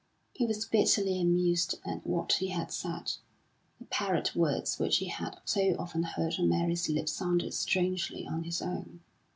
He was bitterly amused at what he had said. The parrot words which he had so often heard on Mary's lips sounded strangely on his own.